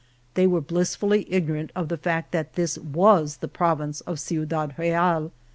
They were blissfully ignorant of the fact that this was the province of Ciudad Real.